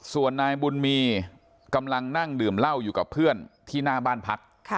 ส่วนนายบุญมีกำลังนั่งดื่มเหล้าอยู่กับเพื่อนที่หน้าบ้านพัก